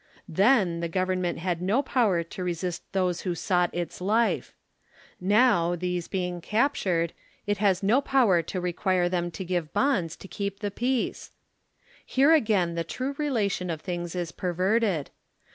Then the Government had no power to resist those who sought its Hfe ! now these being captured, it has no power to require them to give bonds to keep the peace! Here again the true relation of things is perverted.